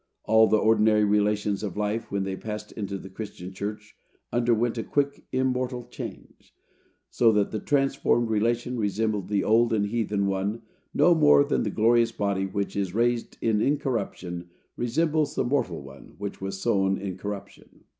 All the ordinary relations of life, when they passed into the Christian church, underwent a quick, immortal change; so that the transformed relation resembled the old and heathen one no more than the glorious body which is raised in incorruption resembles the mortal one which was sown in corruption.